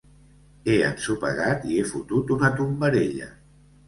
He ensopegat i he fotut una tombarella.